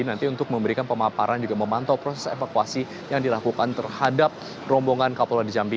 nanti untuk memberikan pemaparan juga memantau proses evakuasi yang dilakukan terhadap rombongan kapolda jambi